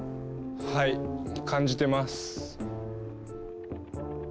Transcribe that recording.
はい感じてます。